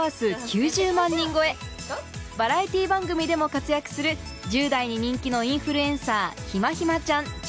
バラエティー番組でも活躍する十代に人気のインフルエンサー